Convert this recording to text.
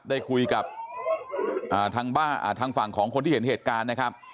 ได้คุยกับทางฝั่งของคนที่เห็นเหตุการณ์นะครับ